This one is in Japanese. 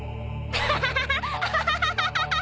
アハハハハ！